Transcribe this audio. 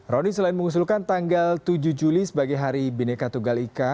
roni selain mengusulkan tanggal tujuh juli sebagai hari bineka tunggal ika